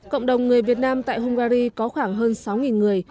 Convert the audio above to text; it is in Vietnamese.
cộng đồng người việt nam tại hungary có khoảng hơn sáu người